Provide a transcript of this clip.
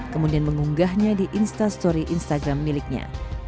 kemudian mengunggahnya di instastory instagram miliknya